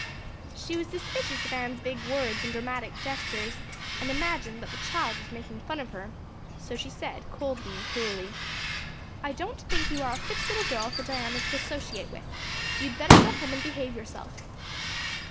She was suspicious of Anne's big words and dramatic gestures and imagined that the child was making fun of her. So she said, coldly and cruelly: "I don't think you are a fit little girl for Diana to associate with. You'd better go home and behave yourself."